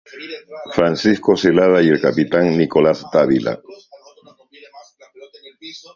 Francisco Zelada y el capitán Nicolás Dávila.